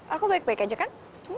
aku baik baik aja kan